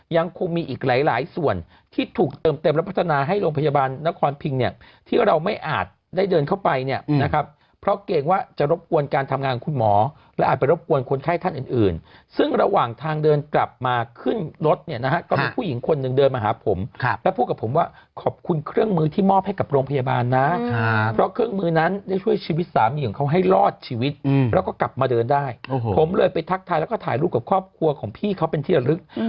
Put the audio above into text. ยังคงมีอีกหลายส่วนที่ถูกเติมเต็มและพัฒนาให้โรงพยาบาลนครพิงที่เราไม่อาจได้เดินเข้าไปเพราะเก่งว่าจะรบกวนการทำงานของคุณหมอและอาจไปรบกวนคนไข้ท่านอื่นซึ่งระหว่างทางเดินกลับมาขึ้นรถก็มีผู้หญิงคนหนึ่งเดินมาหาผมแล้วพูดกับผมว่าขอบคุณเครื่องมือที่มอบให้กับโรงพยาบาลนะเพ